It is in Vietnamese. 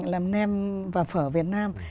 làm nem và phở việt nam